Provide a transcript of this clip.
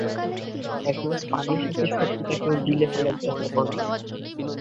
এক গ্লাস পানির সাথে সত্যিটাকেও গিলে ফেলার চেষ্টা করবেন না।